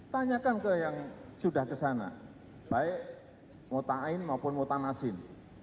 tanyakan ke yang sudah ke sana baik mota'in maupun mota'in nasin